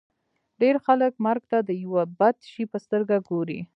ډېر خلک مرګ ته د یوه بد شي په سترګه ګوري